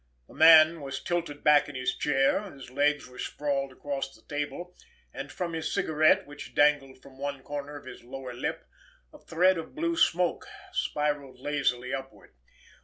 The man was tilted back in his chair, his legs were sprawled across the table, and from his cigarette, which dangled from one corner of his lower lip, a thread of blue smoke spiraled lazily upward.